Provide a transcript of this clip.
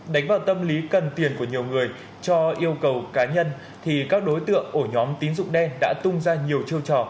đánh vào tâm lý cần tiền của nhiều người cho yêu cầu cá nhân thì các đối tượng ổ nhóm tín dụng đen đã tung ra nhiều chiêu trò